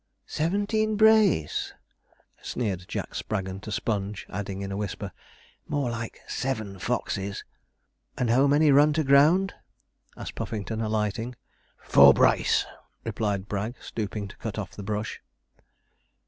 'Seventeen brace!' sneered Jack Spraggon to Sponge, adding, in a whisper, 'More like seven foxes.' 'And how many run to ground?' asked Puffington, alighting. 'Four brace,' replied Bragg, stooping to cut off the brush.